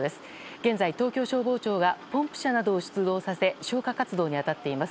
現在、東京消防庁がポンプ車などを出動させ消火活動に当たっています。